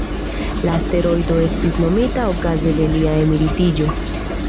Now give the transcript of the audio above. La asteroido estis nomita okaze de lia emeritiĝo.